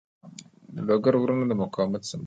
د لوګر غرونه د مقاومت سمبول دي.